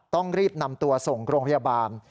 ต้องรีบนำตัวส่งโรงพยาบาล